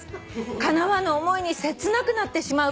「かなわぬ思いに切なくなってしまうからです」